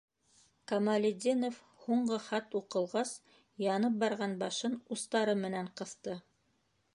Камалетдинов һуңғы хат уҡылғас янып барған башын устары менән ҡыҫты.